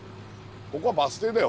ここはバス停だよ